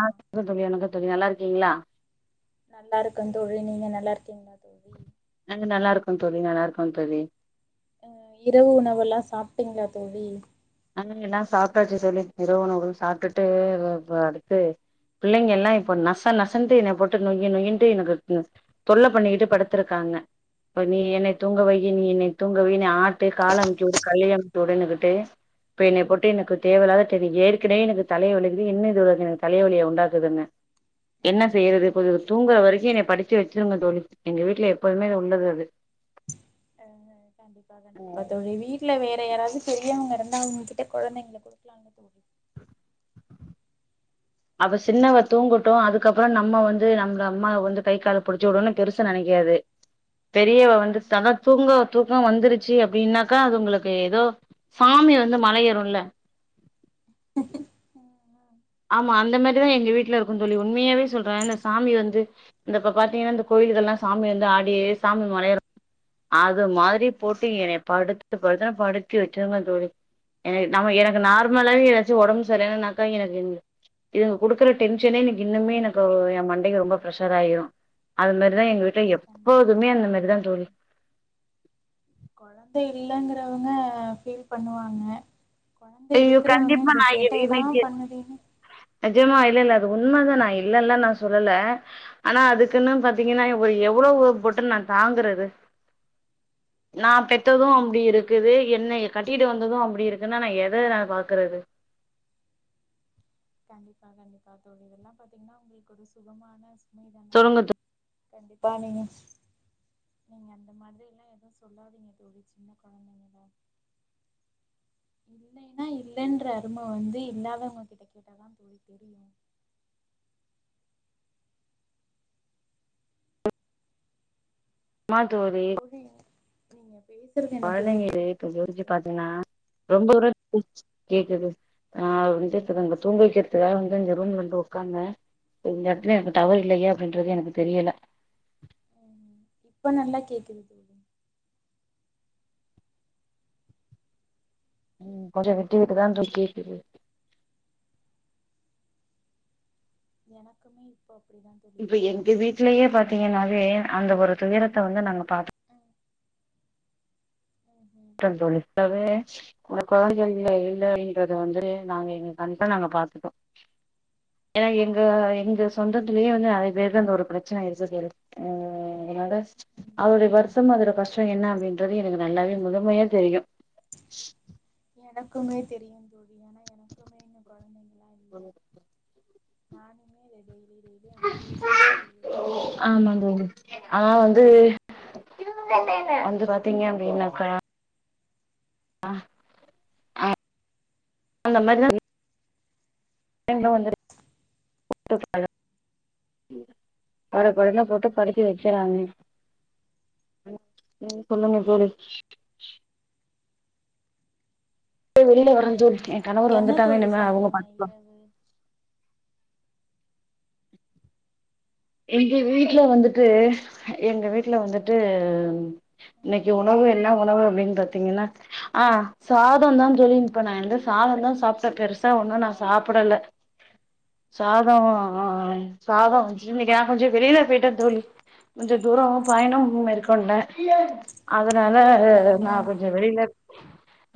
ஆ [inaudible] தோழி வணக்கம் தோழி நல்லாருக் கிங்ளா நல்லாருக்கன் தோழி நீங்க நல்லாருக்கீங்ளா நாங்க நல்லாருக்கோ தோழி நல்லாருக் கோ தோழி அ இரவு உணவு எல்லா சாப்ட்டீங்ளா தோழி அ எல்லா சாப்ட்டாச்சு தோழி இரவு உணவு சாப்ட்டுட்டு ஒ போ அடுத்து பிள்ளைங்க எல்லா இப்ப நச நசன்ட்டு என்னை போட்டு நொய்யு நொய்யுன்ட்டு எனக்கு தொல்லை பண்ணிக்கிட்டு படுத்துருக்காங்க இப்ப நீ என்னை தூங்க வையி நீ என்னை தூங்க வி நீ ஆட்டு கால அமுக்கி உடு [unintelligible] அமுச்சி விடு என்னுக்குட்டு இப்ப என்னை போட்டு எனக்கு தேவல்லாத தெரிய ஏற்கனவே எனக்கு தலைய ஒலிக்குது இன்னு இது எனக்கு தலவலிய உண்டாக்குதுங்க என்ன செய்யறது இப்ப தூங்கற வரிக்கு என்னய படித்தி வச்சிதுங்க தோழி எங்க வீட்ல எப்போதுமே இது உள்ளது அது அ அ கண்டிப்பா ம் கண்டிப்பா தோழி வீட்ல வேற யாராவ்து தெரியவுங்க இருந்தா அவுங்ககிட்ட கொழந்தைங்ள குடுக்லால்ல தோழி அவ சின்னவ தூங்கட்டுமல அதுக்கறோ நம்ம வந்து நம்க்கு அம்மாவ வந்து கை கால் புடிச்சு விடனு பெருசு நனைக்காது பெரியவ வந்து ம் தன தூங்க தூங்க வந்துருச்சு அப்டின்னாக்கா அது உங்களுக்கு எதோ சாமிய வந்து மலையேறுல்ல ம் ம் ஆமா அந்த மேரிதா எங்க வீட்ல இருக்கு தோழி உண்மையாவே சொல்ற இந்த சாமி வந்து இந்த இப்ப பாத்தீங்கன்னா இந்த கோயில்கள்ல்லா சாமி வந்து ஆடி சாமி மலையே அது மாதுரி போட்டு எனய ம் படுத் டு படுத்தா படுத்தி வச்சிருங்க தோழி என நம்ம எனக்கு ம். நார்மலாவே எதாச்சு ஒடம்பு சரியாலனாக்கா எனக்கு இந் இதுங்க குடுக்குற டென்ஷனே எனக்கு இன்னுமே எனக்கு எ மண்டைக்கு ரொம்ப ப்ரெஷர் ஆயிரு அது மாரிதா எங்க வீட் எ கண்டிப்பா எப்போதுமே அந்த கண்டிப்பா மாரிதா தோழி இல்லங்றவ்ங்க ஃபீல் பண்ணுவாங்க கொழந்த ஐயோ இருக்கிறவங்க கண்டிப்ப இந்த நா இது சேட்டையெல்லா இன்னைக்கு பண்ணுதேன்னு நெஜமா இல்ல இல்ல அஹ் உண்ம தா நா இல்லன்லா நா சொல்லல ஆனா அதுக்குன்னு ம் பாத்தீங்கனா இவ இவ் எவளோ வோட் போட்டு நா தாங்குறது நா கெட் தெருவு அப்டி கண்டிப்பா இருக்குது என்ன எ கரு வீடு வந்தது அப்டி இருக்குன்னா நா எ த நா பாக்குறது கண்டிப்பா கண்டிப்பா தோழி இதெல்லா பாத்தீங்கனா ஒங்களுக்கு ஒரு சுகமான சு மைதான சொல்லுங்க தோழி தோ கண்டிப்பா நீங்க நீங்க அந்த மாதிரிலா எதுவு சொல்லாதீங்க தோழி சின்ன கொழந்தைங்ள இல்லைனா இல்லைன்ற அரும வந்து இல்லாதவ்ங்ககிட்ட கேட்டாதா தோழி தெரியு மா தோழி நீங்க பேசுறது எனக்கு வானவில் விட்டு விட்டு இருக்கு கேக்குது இதுவரைக்கு தோழி பாத்தீங்னா வந்ததும் போய்ர்ச்சு கேக்குதா ஆஹ் உன்க்கு திரும்ப தூங்க ம் வைக்கிறதுக்காக தூங்குறான் வந்து ஓக்காந்தே எல்லா எடத்துலயு எனக்கு டவர் ம்ஹும் இல்ல ஏ அப்டின்றது எனக்கு தெரியல ம்ஹும் இப்ப நல்லா கேக்குது தோழி உம் கொஞ்ச விட்டு விட்டு தா தோழி கேக்குது எனக்குமே இப்போ இங்க எங்க வீட்லயே பாத்தீங்கனாவே அந்த ஒரு துயரத்த வந்து நாங்க பாத்து ம் ம்ஹும் ருக்க தோழி வேறென்ன உனக்கு ஆர்தல் ம்ஹும் இல்ல இருந்தாலும் தைரிய வந்துரு நாங்க எங்க கமிஷ நாங்க பாத்துட்டோ ஏ என் ஏனா எனது ம்ஹும் சொந்தத்துலே வந்து நெறைய பேரு இந்த ஒரு பிரச்சன ஆயிர்ச்சு தோழி ஆஹ் அதனால ம்ஹும் அவ்ளோடை வர்ஷம் அதுல கஷ் சோ என்ன அப்டின்றது எனக்கு நல்லாவே முழுமையா தெரியு எட குமே தெரியும் ஏனா எனக்குமே இன்ன குழந்தைங்களா இல்ல நான் மே ரடி வெடயே அனுபவிச்சுட்டுதா தோழி இருக்கேன் ந ஆமா கொடும தோழி எல்லாம் ஆனா வந்து வந்து பாத்தீங்க அப்படின்னக்க ஆஹ் அந்த மாரி எங்களும் வந்து போட்டு படப்படன போட்டு படிக்கி வக்கிறாங்க சொல்லுங்க தோழி வெளிய வர தோழி என் கணவர் என்ன வந்துட்டாங்க தோழி என்னிமே அவங்க சாப்ட்டீங்க பாத்துக்கலாம் இரவு எங்க வீட்டுல வந்துட்டு எங்க வீட்டுல வந்துட்டு ம் இன்னைக்கு உணவு என்ன உணவு அப்படின்னு பாத்தீங்கன்னா ஆஹ் சாதம் தா தோழி இப்ப நான் வந்து சாதம் தா சாப்பிட்டேன் பெருசா ஒண்ணும் நான் சாப்பிடல சாத ஆஹ் ம் ஆஹ் ம் சாதம் இன்னைக்கு நா கொஞ்சம் வெளியில போய்ட்டேன் தோழி கொஞ்சம் தூரம் பயணம் உ ம் மேற்கொண்ட ம் அது னால ம் நா கொஞ்சம் வெளியில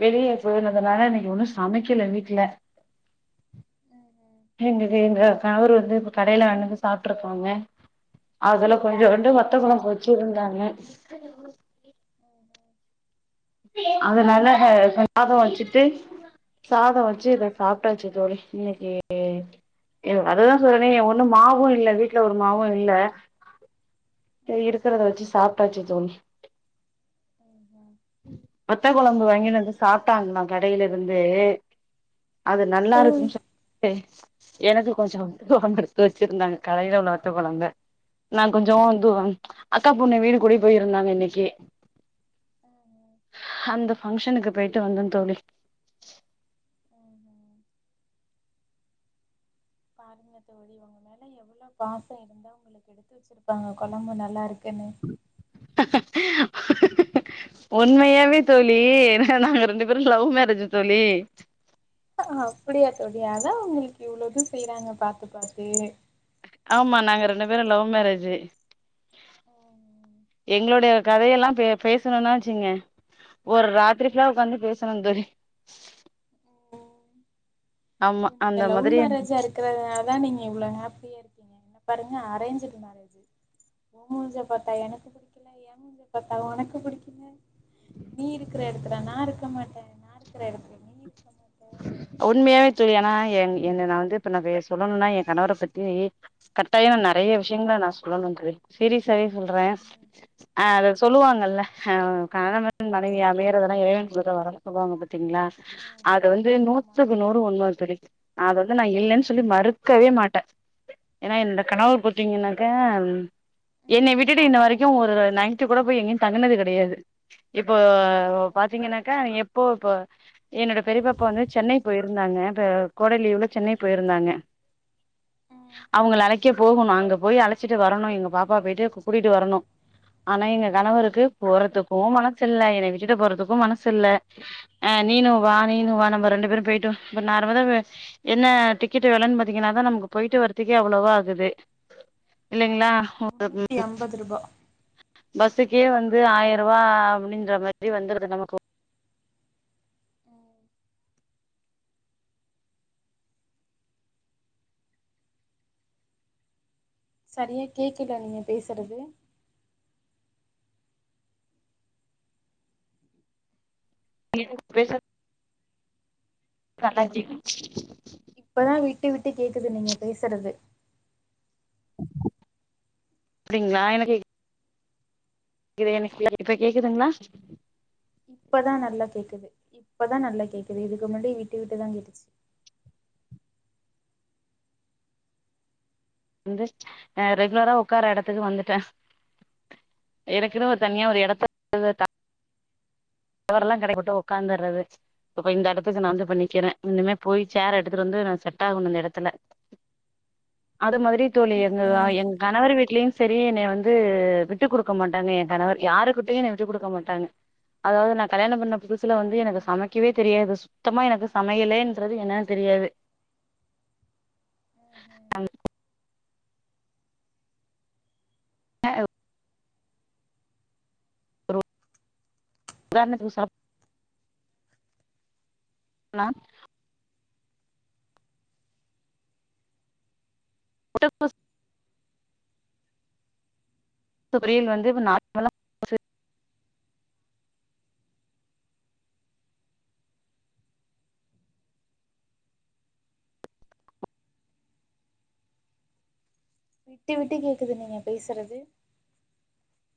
வெளியே போனதுனால இன்னைக்கு ஒன்னு சமைக்கல வீட்ல ம் ம் [unintelligible] எங்க அவர் வந்து இப்ப கடையில வாங்கினு வந்து சாப்பிட்டு இருக்காங்க அதுல கொஞ்சவோண்டு வத்த குழம்பு வச்சு இருந்தாங்க அதனால சாதம் வச்சுட்டு சாதம் வச்சு இத சாப்பிட்டாச்சு தோழி இன்னைக்கு அதுதா சொல்றேனே ஒண்ணும் மாவும் இல்ல வீட்டுல ஒரு மாவும் இல்ல ச இருக்கிறத வச்சு சாப்பிட்டாச்சு தோழி [inaudible] வத்த குழம்பு வாங்கனு வந்து சாப்பிட்டாங்களா கடையில இருந்து அது நல்லா இருக்குனு சொல் எனக்கு கொஞ்சம் இத்தோனு எடுத்து வச்சிருந்தாங்க கடையில உள்ள வத்த குழம்ப நா கொஞ்ச வந்து அக்கா பொண்ணு வீடு கூடி போயிருந்தாங்க இன்னைக்கு அந்த ஃபங்க்ஷனுக்கு போயிட்டு வந்த தோழி [inaudible] பாருங்கத்த ஒடிவங்க எவ்வளவு பாசம் இருந்தா உங்களுக்கு எடுத்து வச்சிருப்பாங்க குழம்பு நல்லா இருக்குன்னு உண்மையாவே தோழி ஏ நாங்க ரெண்டு பேரு லவ் மேரேஜ் தோழி ஹ அப்படியா தோழி அதா உங்களுக்கு இவ்வளோது செய்றாங்க பாத்து பாத்து ஆமா நாங்க ரெண்டு பேரு லவ் மேரேஜு ஓ எங்களுடைய கதையெல்லா பே பேசணும்ன்னா வச்சுங்கோங்க ஒரு ராத்திரிபுல்லா உட்காந்து பேசணு தோழி ஓ ஆமா நீங்க அந்த லவ் மாதிரி மேரேஜா இருக்கறனால தா நீங்க இவ்ளவு ஹாப்பியா இருக்கீங்க என்ன பாருங்க அரஞ் மேரேஜ் உ முஞ்ச பாத்தா எனக்கு பிடிக்கல எ முஞ்ச பத்தா உனக்கு பிடிக்கல நீ இருக்கிற இடத்துல நா இருக்க மாட்டே நா இருக்கிற இடத்துல நீ இருக்க மாட்ட உண்மையாவே தோழி ஏன்னா என் நா வந்து இப்ப ந சொல்லணும்னா எங் கணவர பத்தி கட்டாய நறைய விஷயங்கள நா சொல்லணு தோழி சீரிஸா தரி சொல்றே ம் ம் அஹ் அத ம் ம் சொல்லுவாங்கல்ல ஆஹ் காணவன் மனைவி அமையறதெல்லா இறைவன் குடுத்த வரம் ன் சொல்வாங்க பாத்தீங்களா ம் அது ம் வந்து ஆமாங்க நுத்துக்கு நூறு உண்ம தோழி அது அத நா இல்லைன்னு ம் சொல்லி ம் ம் மறுக்கவே மாட்டே ஏன்னா என்த ம் ம் ம் கணவர் பாத்தீங்கன்னாக்க ம் ம் ம் ம் என்ன விட்டுட்டு இன்ன வரைக்கு ஒரு நைட்டு கூட போய் எங்கயு தங்கனது கிடையாது இப்போ பாத்தீங்கன்னாக்கா எப் போ போ என்னோட ப பெரியப்பாப்ப வந்து சென்னை போயிருந்தாங்க இப்ப கோடைலீவுல சென்னை போயிருந்தாங்க அவங்கள அழைக்க போகணு அங்க போய் அழைச்சிட்டு வரணு எங்க பாப்பா போயிட்டு கூட்டிட்டு வரணு ஆனா எங்க கணவருக்கு போறதுக்கு மனசு இல்ல என்ன விட்டுட்டு போறதுக்கு மனசு இல்ல ஆஹ் நீனு ம் னு வா நீனு வா நம்ம ரெண்டு பேரு போயிட்டு வந் இப்ப நார்மலா என்ன டிக்கெட் வெலைன்னு பாத்தீங்கன்னாதா நமக்கு போயிட்டு வரறதுக்கே அவ்வளவா ஆகுது இல்லைங்களா ஆமா முன்னூத்தி ஐம்பது ரூபா பஸ்ஸுக்கே வந்து ஆயர் ருவா அப்படின்ற மாரி வந்துருது நமக்கு ம் சரியா கேக்குல நீங்க பேசறது [inaudible] இப்பதா விட்டு விட் கேக்குது நீங்க பேசறது அப்படிங்ளா எனக்கு இது எனக் இப்ப கேக்குதுங்களா ப்பதா நல்லா கேக்குது இப்பதா நல்லா கேக்குது இதுக்கு முன்னாடி விட்டு விட்டுதா கேட்டுச்சி வந்து ரெகுலரா ஒக்கார எடத்துக்கு வந்துட்டே எனக்குன்னு ஒரு தனியா ஒரு ம் எடத்த [unintelligible] கடயப்போட்டு ஒக்காந்தர்றது இப்ப இந்த எடத்துக்கு நா வந்து இப்ப நிக்கறே இன்னுமே போய் சேர் எடுத்துட்டு ம் வந்து நமக்கு செட் ஆகனு அந்த எடத் தெல்ல அது மாதிரி தோழி ம் எங்க ம் ம் எங்கணவர் வீட் ட்லயு செரி என்னய வந்து விட்டுக் குடுக்க மாட்டாங்க என் கணவர் யாருக்கிட்டயு என்ன விட்டு குடுக்க மாட்டாங்க அதாவது நா கல்யாண பண்ண புதுசுல ம் வந்து எனக்கு ம் சமைக்கவே தெரியாது சுத்தமா எனக்கு சமையலேன்றது என்னா தெரியாது ம் ஆ ஆஹ் ஒரு உ உதாரணத்துக்கு சொ லா [unintelligible] சுபரியில் வந்து இப்ப நார்மலா விட்டு விட்டு கேக்குதுங்க நீங்க பேசுறது